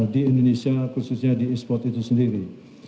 di indonesia khususnya di e sport itu sendiri